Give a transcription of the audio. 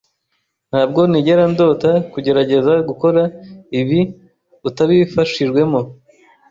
Ntabwo nigera ndota kugerageza gukora ibi utabifashijwemo.